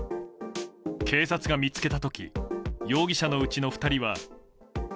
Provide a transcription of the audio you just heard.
警察が見つけた時容疑者のうちの２人は。